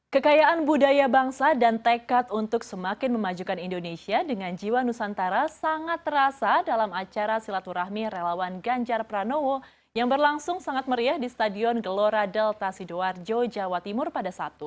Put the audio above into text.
kekayaan budaya bangsa dan tekad untuk semakin memajukan indonesia dengan jiwa nusantara sangat terasa dalam acara silaturahmi relawan ganjar pranowo yang berlangsung sangat meriah di stadion gelora delta sidoarjo jawa timur pada sabtu